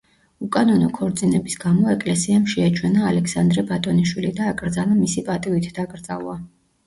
უკანონო ქორწინების გამო ეკლესიამ შეაჩვენა ალექსანდრე ბატონიშვილი და აკრძალა მისი პატივით დაკრძალვა.